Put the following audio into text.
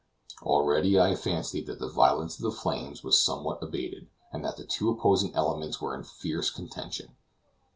Already I fancied that the violence of the flames was somewhat abated, and that the two opposing elements were in fierce contention.